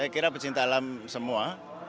kita ingin ta'alam semua